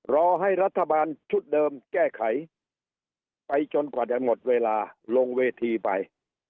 รอให้รัฐบาลชุดเดิมแก้ไขไปจนกว่าจะหมดเวลาลงเวทีไป